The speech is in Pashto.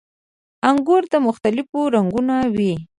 • انګور د مختلفو رنګونو وي.